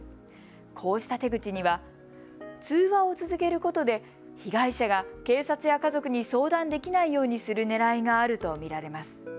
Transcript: こうした手口には通話を続けることで被害者が警察や家族に相談できないようにするねらいがあると見られます。